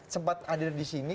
sempat ada disini